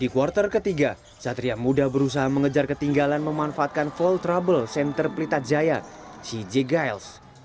di kuartal ketiga satria muda berusaha mengejar ketinggalan memanfaatkan voltrouble center pelita jaya cj giles